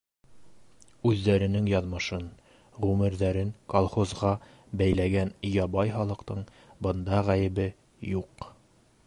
Үҙҙәренең яҙмышын, ғүмерҙәрен колхозға бәйләгән ябай халыҡтың бында ғәйебе юҡ.